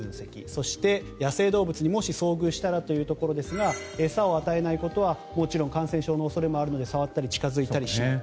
そして、野生動物にもし遭遇したらですが餌を与えないことはもちろん感染症の恐れもあるので触ったり近付いたりしない。